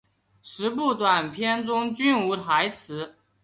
十部短片中均无台词。